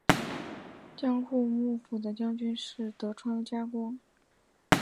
江户幕府的将军是德川家光。